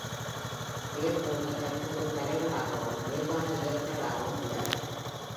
பேர்போனி தற்போது தலைவர் ஆகவும் நிர்வாக இயக்குநராகவம் உள்ளார்.